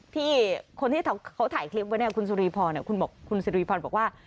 ที่คนที่เขาถ่ายคลิปไว้เนี่ยคุณสุรีพรคุณสิริพรบอกว่า